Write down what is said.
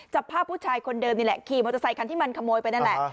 จับภาพผู้ชายคนเดิมนี่แหละขี่มอเตอร์ไซคันที่มันขโมยไปนั่นแหละ